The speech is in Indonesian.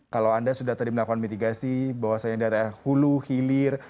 kalau anda sudah tadi melakukan mitigasi bahwasannya daerah hulu hilir